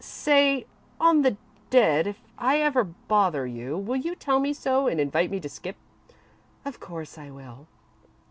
Say, on the dead, if I ever bother you will you tell me so and invite me to skip?" "Of course I will."